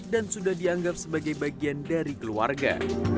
dan sudah dianggap sebagai bagian dari keluarga